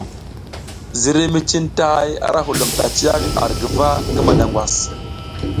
Ziriy mi cintahay arahulom tatiyak ar guva ngi madangwas.